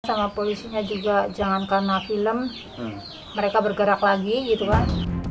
sama polisinya juga jangan kena film mereka bergerak lagi gitu kan